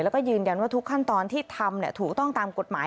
แล้วก็ยืนยันว่าทุกขั้นตอนที่ทำถูกต้องตามกฎหมาย